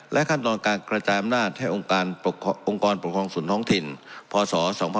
ขั้นตอนการกระจายอำนาจให้องค์กรปกครองส่วนท้องถิ่นพศ๒๕๖๒